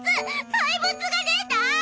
怪物が出たァ！